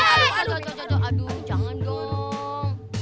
aduh aduh aduh aduh jangan dong